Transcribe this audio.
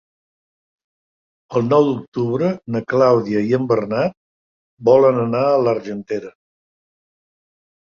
El nou d'octubre na Clàudia i en Bernat volen anar a l'Argentera.